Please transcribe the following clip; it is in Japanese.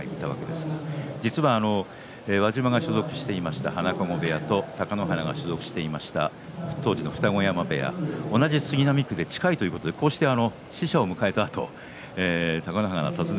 実は輪島が所属していました花籠部屋と貴ノ花が所属していました当時の二子山部屋は同じ杉並区で近いということで使者を迎えた